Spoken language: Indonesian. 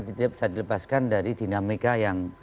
tidak bisa dilepaskan dari dinamika yang